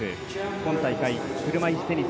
今大会、車いすテニス